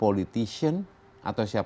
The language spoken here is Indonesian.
oke itu tidak ada bagian